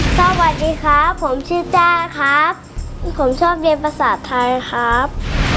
สวัสดีครับผมชื่อจ้าครับผมชอบเรียนภาษาไทยครับ